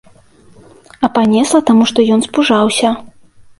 А панесла таму, што ён спужаўся.